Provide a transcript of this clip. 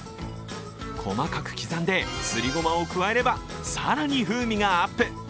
細かく刻んですりごまを加えれば、更に風味がアップ。